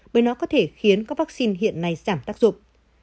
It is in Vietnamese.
bởi nó có thể khiến các vaccine hiện nay giảm tác dụng